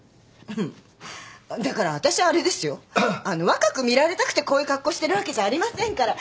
若く見られたくてこういう格好してるわけじゃありませんから。